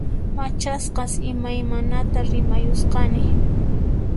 Machasqas imaymanata rimayusqani